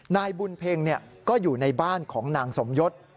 นายบุญเพ็งก็อยู่ในบ้านของนางสมยศ